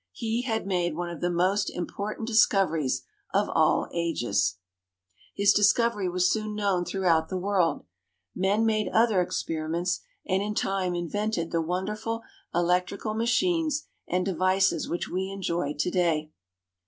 He had made one of the most important discoveries of all ages! [Illustration: FRANKLIN AND THE KITE EXPERIMENT] His discovery was soon known throughout the world. Men made other experiments, and in time invented the wonderful electrical machines and devices which we enjoy to day.